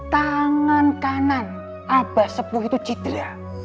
tangan kanan abah sepuluh itu cedera